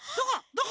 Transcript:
どこ？